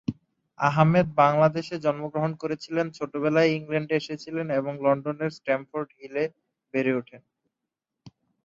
আহমেদ বাংলাদেশে জন্মগ্রহণ করেছিলেন, ছোটবেলায় ইংল্যান্ডে এসেছিলেন এবং লন্ডনের স্ট্যামফোর্ড হিলে বেড়ে ওঠেন।